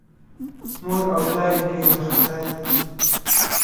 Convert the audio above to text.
مور او پلار یې پرې وارخطا دي.